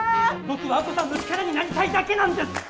僕は亜子さんの力になりたいだけなんです！